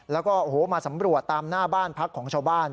แล้วก็โอ้โหมาสำรวจตามหน้าบ้านพักของชาวบ้าน